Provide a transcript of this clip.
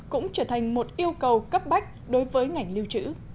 cũng trở thành một yêu cầu cấp bách đối với ngành lưu trữ